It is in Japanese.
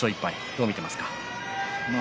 どう見ていますか。